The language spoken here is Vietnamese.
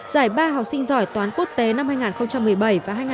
giải ba học sinh giỏi toán quốc tế năm hai nghìn một mươi bảy và hai nghìn một mươi